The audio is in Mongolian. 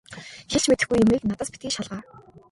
Хэлж мэдэхгүй юмыг надаас битгий шалгаа.